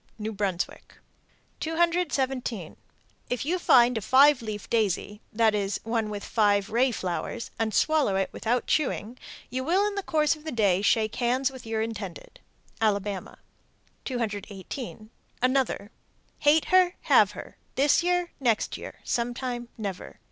New Brunswick. 217. If you find a five leaf daisy (that is, one with five ray flowers) and swallow it without chewing, you will in the course of the day shake hands with your intended. Alabama. 218. Another: Hate her, Have her, This year, Next year, Sometime, Never.